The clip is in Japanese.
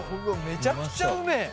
めちゃくちゃうめえ。